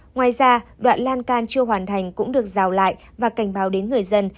ngoài ra đoạn lan can chưa hoàn thành cũng được rào lại và cảnh báo đến người dân